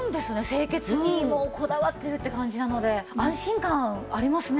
清潔にこだわってるって感じなので安心感ありますね。